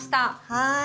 はい。